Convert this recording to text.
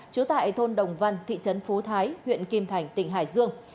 trú tại thôn đồng văn thị trấn phú thái huyện kim thành tỉnh hải dương